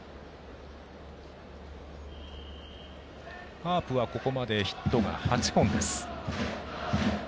カープはここまでヒットは８本です。